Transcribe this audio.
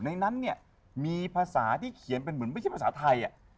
ในนั้นเนี่ยมีภาษาที่เขียนเป็นเหมือนไม่ใช่ภาษาไทย